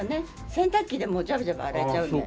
洗濯機でもジャブジャブ洗えちゃうんで。